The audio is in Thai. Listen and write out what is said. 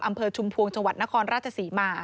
อำเภอชุมภวงจังหวัดนครราชศรีมา